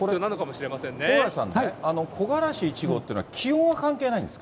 これ、蓬莱さんね、木枯らし１号というのは気温は関係ないんですか？